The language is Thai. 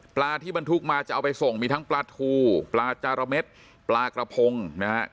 ที่บรรทุกมาจะเอาไปส่งมีทั้งปลาทูปลาจาระเม็ดปลากระพงนะฮะ